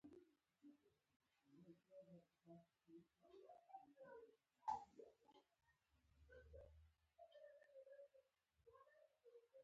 د پسرلي ګلان ډېر ښکلي دي.